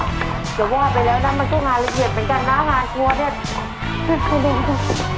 เดี๋ยวว่าไปแล้วนะมันก็งานละเอียดเหมือนกันนะงานครัวเนี่ยขึ้นไปเอง